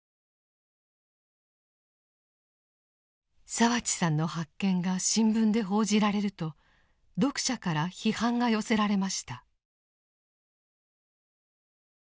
澤地さんの発見が新聞で報じられると読者から批判が寄せられました。